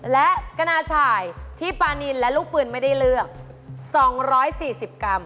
และกนาถ่ายที่ปานินและลูกปืนไม่ได้เลือก